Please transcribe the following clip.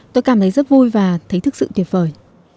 tôi cảm thấy rất vui và thấy thực sự tuyệt vời